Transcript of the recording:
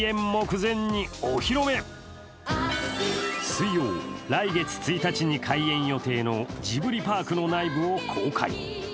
水曜、来月１日に開園予定のジブリパークの内部を公開。